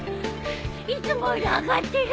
いつもより上がってる！